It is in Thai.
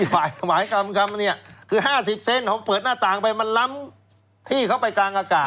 หมายความว่า๕๐เซนต์เขาเปิดหน้าต่างไปมันล้ำที่เขาไปกลางอากาศ